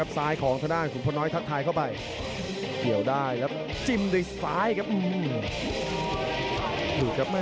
สมมุติวิจัยได้เกินร้อยละครับหมดยกที่๑ครับ